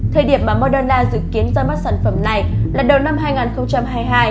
thời điểm mà moderna dự kiến ra mắt sản phẩm này là đầu năm hai nghìn hai mươi hai